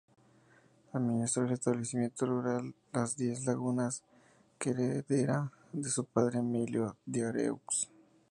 Administró el establecimiento rural "Las Diez Lagunas" que heredara de su padre Emilio Daireaux.